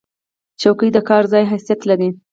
چوکۍ د کار ځای حیثیت لري.